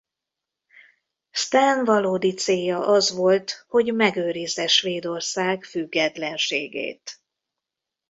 Sten valódi célja az volt hogy megőrizze Svédország függetlenségét.